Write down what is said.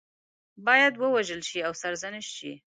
باید ووژل شي او سرزنش شي.